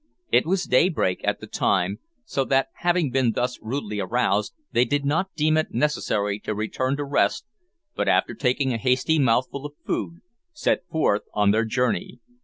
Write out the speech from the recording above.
It was daybreak at the time, so that, having been thus rudely aroused, they did not deem it necessary to return to rest but after taking a hasty mouthful of food, set forth on their journey.